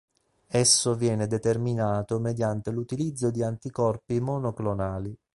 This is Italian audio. Esso viene determinato mediante l'utilizzo di anticorpi monoclonali.